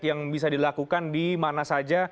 yang bisa dilakukan di mana saja